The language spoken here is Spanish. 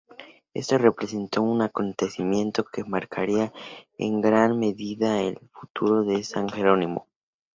Esto representó un acontecimiento que marcaría en gran medida el futuro de San Jerónimo.